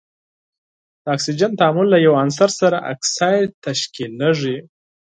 د اکسیجن تعامل له یو عنصر سره اکساید تشکیلیږي.